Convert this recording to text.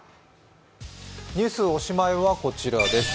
ニュース、おしまいはこちらです。